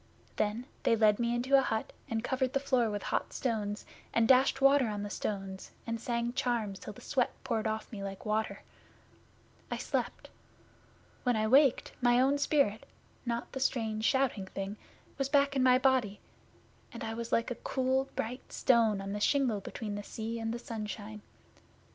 Then they led me into a hut and covered the floor with hot stones and dashed water on the stones, and sang charms till the sweat poured off me like water. I slept. When I waked, my own spirit not the strange, shouting thing was back in my body, and I was like a cool bright stone on the shingle between the sea and the sunshine.